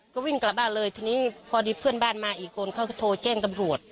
ก็วิ่งกลับบ้านเลยทีนี้พอดีเพื่อนบ้านมาอีกคนเขาก็โทรแจ้งตำรวจ